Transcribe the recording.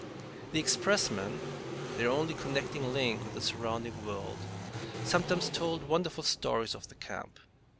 The expressman their only connecting link with the surrounding world sometimes told wonderful stories of the camp.